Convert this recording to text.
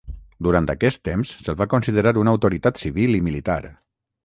Durant aquest temps se'l va considerar una autoritat civil i militar.